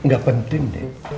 gak penting deh